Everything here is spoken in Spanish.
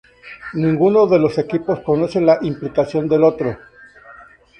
Ninguno de los equipos conoce la implicación del otro.